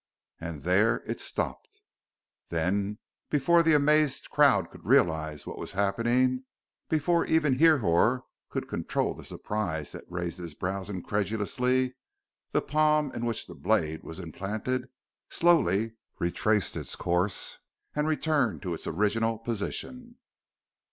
And there it stopped. Then, before the amazed crowd could realize what was happening, before even Hrihor could control the surprise that raised his brows incredulously, the palm in which the blade was implanted slowly retraced its course and returned to its original position.